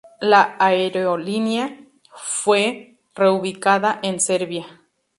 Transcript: La aerolínea fue reubicada en Serbia.